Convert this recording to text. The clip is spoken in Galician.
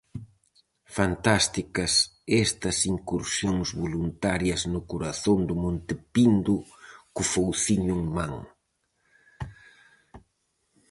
Fantásticas estas incursións voluntarias no corazón do Monte Pindo co fouciño en man.